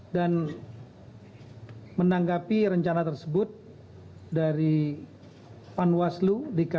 dan menanggapi rencana tersebut dari panwaslu